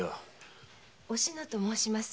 おしのと申します。